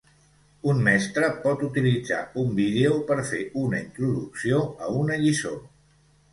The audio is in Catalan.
Un mestre pot utilitzar un vídeo per fer una introducció a una lliçó.